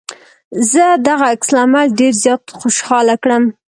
زه دغه عکس العمل ډېر زيات خوشحاله کړم.